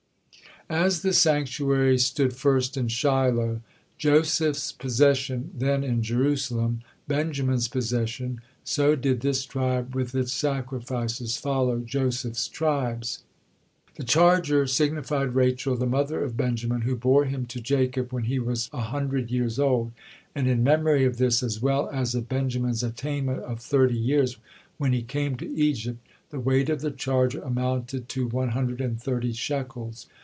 As the sanctuary stood first in Shiloh, Joseph's possession, then in Jerusalem, Benjamin's possession, so did this tribe with its sacrifices follow Joseph's tribes. The charger signified Rachel, the mother of Benjamin, who bore him to Jacob when he was a hundred years old, and in memory of this, as well as of Benjamin's attainment of thirty years when he came to Egypt, the weight of the charger amounted to one hundred and thirty shekels.